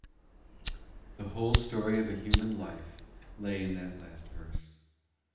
The whole story of a human life lay in that last verse.